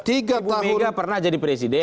ibu mega pernah jadi presiden